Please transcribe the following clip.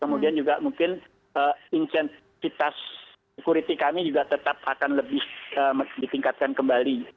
kemudian juga mungkin intensitas security kami juga tetap akan lebih ditingkatkan kembali